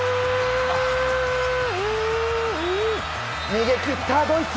逃げ切ったドイツ！